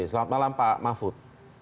selamat malam pak mahfud